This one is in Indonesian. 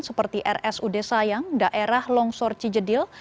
seperti rs ude sayang daerah longsor cijedil